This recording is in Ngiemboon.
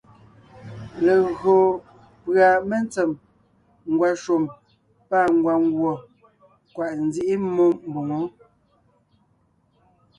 Legÿo pʉ́a mentsèm, ngwàshùm pâ ngwàngùɔ, kwàʼ nzíʼi mmó mbòŋo.